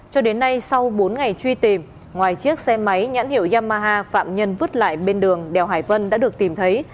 cho đến nay sau bốn ngày truy tìm ngoài chiếc xe máy nhãn hiệu yamaha phạm nhân vứt lại bên đường đèo hải vân đã được tìm thấy